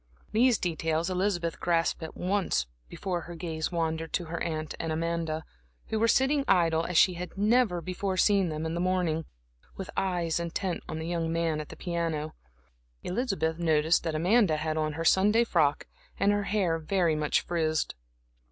These details Elizabeth grasped at once before her gaze wandered to her aunt and Amanda, who were sitting idle as she had never before seen them in the morning, with eyes intent on the young man at the piano. Elizabeth noticed that Amanda had on her Sunday frock and her hair very much frizzed.